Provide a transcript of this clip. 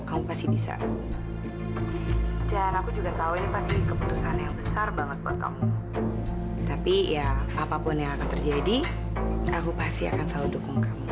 apapun yang akan terjadi aku pasti akan selalu dukung kamu